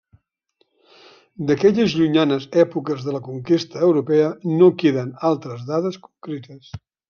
D'aquelles llunyanes èpoques de la conquesta europea no queden altres dades concretes.